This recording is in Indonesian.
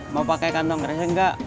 mau pakai kantong reseng enggak